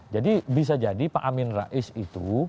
bisa jadi pak amin rais itu